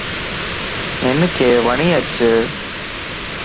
ھنک وڻھي اچ